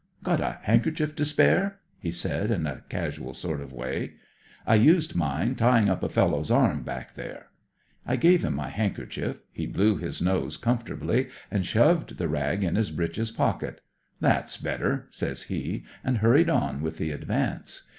* Got a handkerchief to spare,* he said, in a casual sort of way. * I used mine, tying up a fellow's arm, back there.' I gave Wm my handkerchief, he blew his nose comfortably, and shoved the rag in his breeches pocket. * That's better,' says he, and hurried on with the advance.